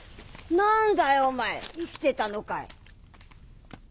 何だいお前生きてたのかい。